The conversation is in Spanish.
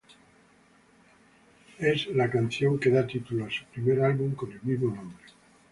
Es la canción que da título a su primer álbum con el mismo nombre.